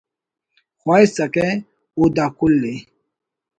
خواہسکہ او دا کل ءِ